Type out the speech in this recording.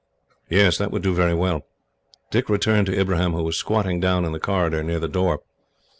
"Yes, that would do very well." Dick returned to Ibrahim, who was squatting down in the corridor near the door.